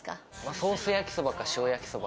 ソース焼きそばか塩焼そば。